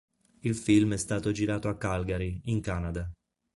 Il film è stato girato a Calgary, in Canada.